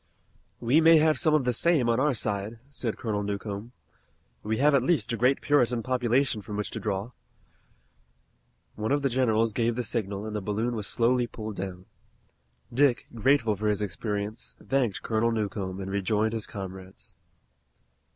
"We may have some of the same on our side," said Colonel Newcomb. "We have at least a great Puritan population from which to draw." One of the generals gave the signal and the balloon was slowly pulled down. Dick, grateful for his experience, thanked Colonel Newcomb and rejoined his comrades.